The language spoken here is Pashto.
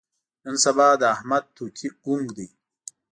نن سبا د احمد توتي ګونګ دی.